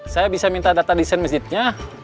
saya bisa minta data desain masjidnya